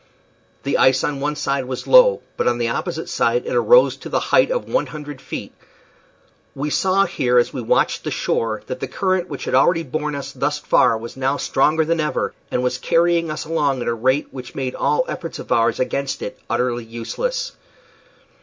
The ice on one side was low, but on the opposite side it arose to the height of one hundred feet. We saw here, as we watched the shore, that the current which had already borne us thus far was now stronger than ever, and was carrying us along at a rate which made all efforts of ours against it utterly useless.